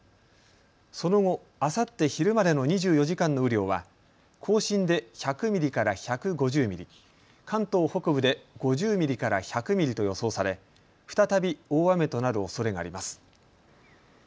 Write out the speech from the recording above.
その後、あさって昼までの２４時間の雨量は甲信で１００ミリから１５０ミリ、関東北部で５０ミリから１００ミリと予想され再び大雨となるおそれがあります。